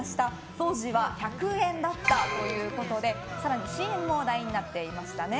当時１００円だったということで更にＣＭも話題になっていましたね。